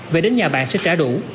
về đến nhà bạn sẽ trả đủ